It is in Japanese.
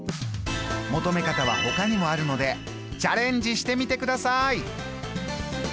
求め方はほかにもあるのでチャレンジしてみてください。